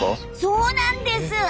そうなんです！